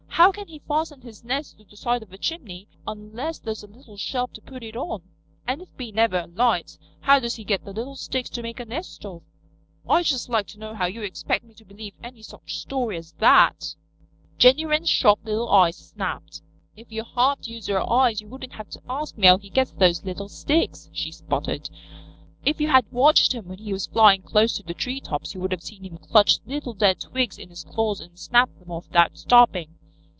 "How can he fasten his nest to the side of a chimney unless there's a little shelf to put it on? And if he never alights, how does he get the little sticks to make a nest of? I'd just like to know how you expect me to believe any such story as that." Jenny Wren's sharp little eyes snapped. "If you half used your eyes you wouldn't have to ask me how he gets those little sticks," she sputtered. "If you had watched him when he was flying close to the tree tops you would have seen him clutch little dead twigs in his claws and snap them off without stopping.